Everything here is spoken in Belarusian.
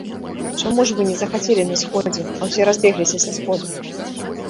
Чаму ж вы не захацелі на сходзе, а ўсе разбегліся са сходу?